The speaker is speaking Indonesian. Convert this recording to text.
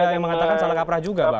ada yang mengatakan salah kaprah juga pak